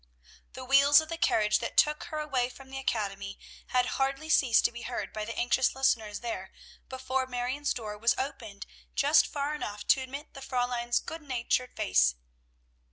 The wheels of the carriage that took her away from the academy had hardly ceased to be heard by the anxious listeners there, before Marion's door was opened just far enough to admit the Fräulein's good natured face.